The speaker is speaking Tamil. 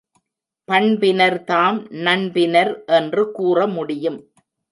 பண்பினர்தாம் நண்பினர் என்று கூறமுடியும்.